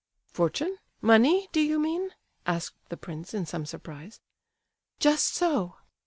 "Fortune—money—do you mean?" asked the prince in some surprise. "Just so."